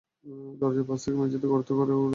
দরজার পাশ থেকে মেঝেতে গর্ত করে বাড়িতে প্রবেশ করে।